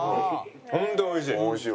ホント美味しい！